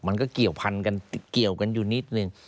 มันก็เกี่ยวพันกันเกี่ยวกันอยู่นิดนึง